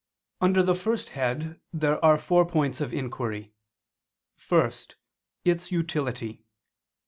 Under the first head there are four points of inquiry: (1) Its utility.